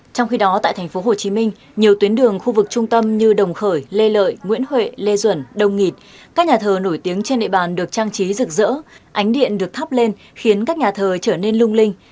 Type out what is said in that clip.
trong khi đó tại tp hcm nhiều tuyến đường khu vực trung tâm như đồng khởi lê lợi nguyễn huệ lê duẩn đông nghịt các nhà thờ nổi tiếng trên địa bàn được trang trí rực rỡ ánh điện được thắp lên khiến các nhà thờ trở nên lung linh